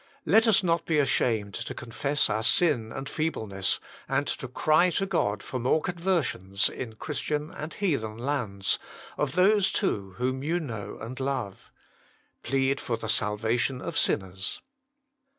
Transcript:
Let us not be ashamed to confess our sin and feebleness, and cry to God for more conversions in Christian and heathen lands, of those too whom you know and love. Plead for the salvation of sinners.